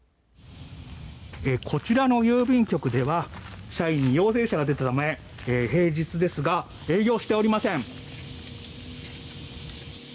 こちらの郵便局では社員に陽性者が出たため平日ですが営業しておりません。